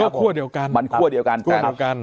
ก็คั่วเดียวกันมันคั่วเดียวกัน